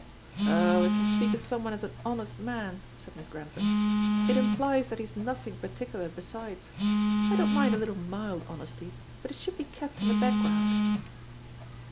"Oh, if you speak of someone as an honest man," said Miss Grantham, "it implies that he's nothing particular besides. I don't mind a little mild honesty, but it should be kept in the background."